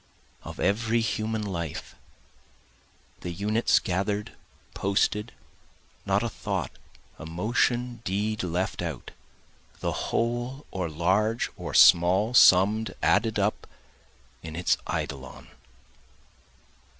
Of every human life, (The units gather'd, posted, not a thought, emotion, deed, left out,) The whole or large or small summ'd, added up, In its eidolon.